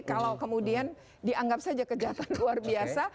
kalau kemudian dianggap saja kejahatan luar biasa